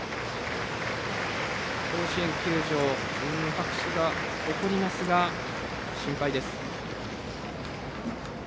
甲子園球場拍手が起こりますが心配です。